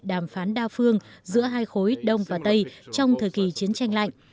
đàm phán đa phương giữa hai khối đông và tây trong thời kỳ chiến tranh lạnh